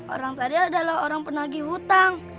orang tadi adalah orang penagi hutang